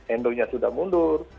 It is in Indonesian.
endo nya sudah mundur